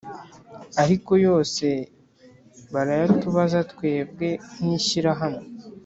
ariko yose barayatubaza twebwe nkishyirahamwe